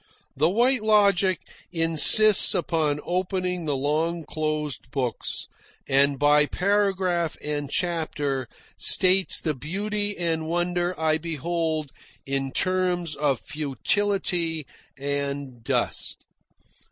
The White Logic insists upon opening the long closed books, and by paragraph and chapter states the beauty and wonder I behold in terms of futility and dust.